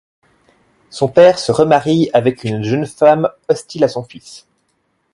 Son père se remarie avec une jeune femme hostile à son fils.